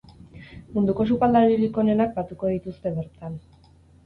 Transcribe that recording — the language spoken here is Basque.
Munduko sukaldaririk onenak batuko dituzte bertan.